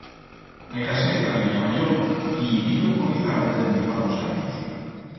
Me casé ta Villamayor y i vivo con Izarbe dende fa dos anyos.